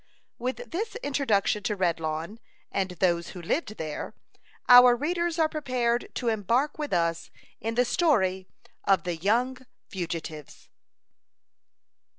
With this introduction to Redlawn, and those who lived there, our readers are prepared to embark with us in the story of the young fugitives.